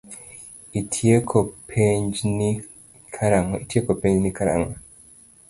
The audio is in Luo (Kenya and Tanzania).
Itieko penjni karang'o?